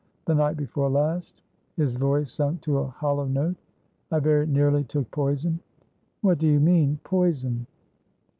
The night before last"his voice sunk to a hollow note"I very nearly took poison." "What do you mean? Poison?"